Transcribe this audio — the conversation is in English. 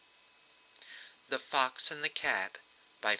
The Fox and the Cat R.